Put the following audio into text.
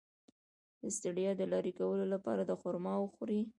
د ستړیا د لرې کولو لپاره خرما وخورئ